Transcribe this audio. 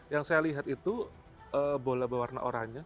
yang saya lihat itu bola berwarna oranye